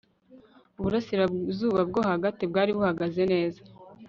Uburasirazuba bwo Hagati bwari buhagaze neza